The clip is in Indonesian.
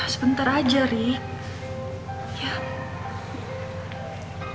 sebentar aja ri